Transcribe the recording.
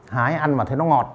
hái ăn mà thấy nó ngọt